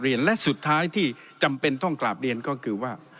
และสุดท้ายที่จำเป็นต้องกราบเรียนก็คือว่า